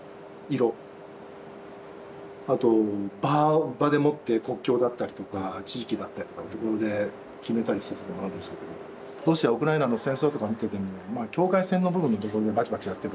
あと場場でもって国境だったりとか地域だったりとかっていうことで決めたりすることもあるでしょうけどロシアウクライナの戦争とか見てても境界線の部分でバチバチやってるわけですよ。